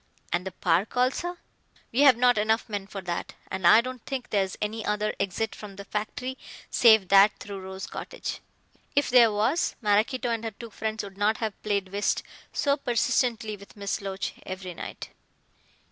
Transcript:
"And the park also?" "We have not enough men for that. And I don't think there's any other exit from the factory save that through Rose Cottage. If there was, Maraquito and her two friends would not have played whist so persistently with Miss Loach every night."